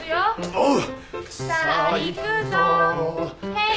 おう！